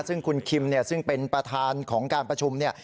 ซึ่งคุณคิมเนี่ยซึ่งเป็นประธานของการประชุมเนี่ย